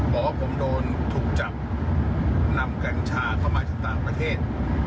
บอกว่าผมโดนถูกจับนำกัญชาเข้ามาจากต่างประเทศ